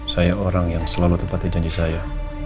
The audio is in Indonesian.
saya orang yang selalu tepati janji saya